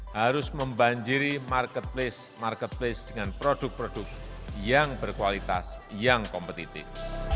harus membanjiri marketplace marketplace dengan produk produk yang berkualitas yang kompetitif